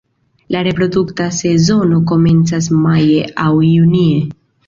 La reprodukta sezono komencas maje aŭ junie.